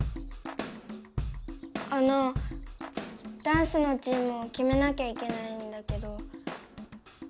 あのダンスのチームをきめなきゃいけないんだけど。